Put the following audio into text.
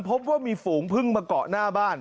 พบว่ามีฝูงพึ่งมาเกาะหน้าบ้าน